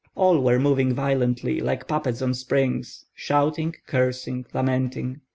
All were moving violently, like puppets on springs, shouting, cursing, lamenting.